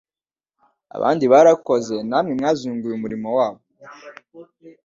abandi barakoze namwe mwazunguye umurimo wabo